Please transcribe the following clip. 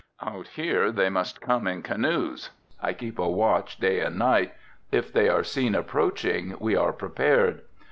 Out here they must come in canoes, I keep a watch day and night, if they are seen approaching we are prepared.